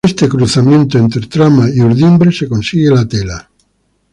Con este cruzamiento entre trama y urdimbre se consigue la tela.